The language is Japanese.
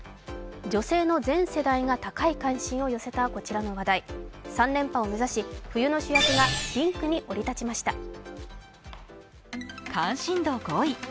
女性の全世代が高い関心を寄せたこちらの話題３連覇を目指し、冬の主役がリンクに降り立ちました。